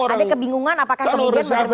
ada kebingungan apakah kemudian rizafel akan dicopot